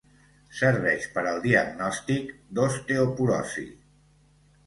Serveix per al diagnòstic d'osteoporosi.